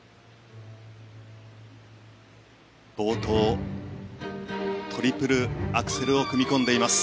冒頭、トリプルアクセルを組み込んでいます。